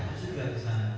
ya betul pak ya